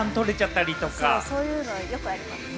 そういうのはよくあります。